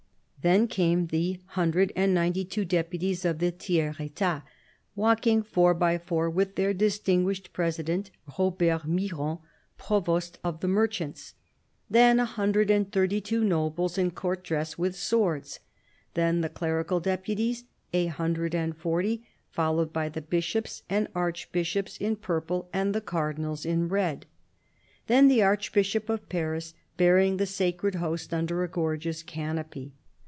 Then came the hundred and ninety two deputies of the Tiers £tat, walking four by four, with their distinguished President, Robert Miron, provost of the merchants. Then a hundred and thirty two nobles in Court dress with swords. Then the clerical deputies, a hundred and forty, followed by the bishops and arch bishops in purple and the cardinals in red. Then the Archbishop of Paris, bearing the sacred Host und^r a gorgeous canopy.